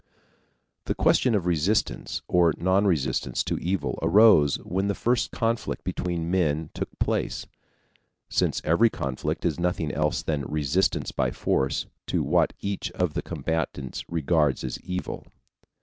The question of resistance or non resistance to evil arose when the first conflict between men took place, since every conflict is nothing else than resistance by force to what each of the combatants regards as evil.